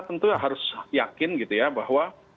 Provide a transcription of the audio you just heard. tentu harus yakin gitu ya bahwa